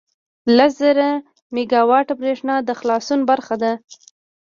لس زره میګاوټه بریښنا د خلاصون برخه ده.